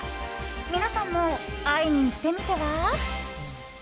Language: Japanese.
皆さんも会いに行ってみては？